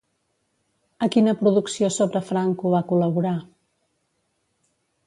A quina producció sobre Franco va col·laborar?